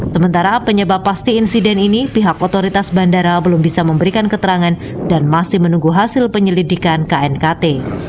sementara penyebab pasti insiden ini pihak otoritas bandara belum bisa memberikan keterangan dan masih menunggu hasil penyelidikan knkt